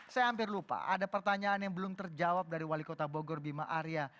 saya hampir lupa ada pertanyaan yang belum terjawab dari wali kota bogor bima arya